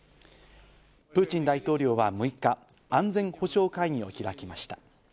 プーチン大統領は６日、安全保障会議を開きました。